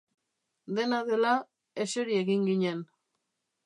Dena dela, eseri egin ginen.